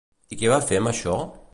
I què va fer amb això?